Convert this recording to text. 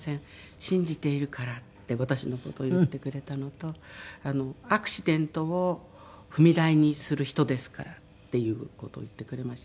「信じているから」って私の事を言ってくれたのと「アクシデントを踏み台にする人ですから」っていう事を言ってくれました。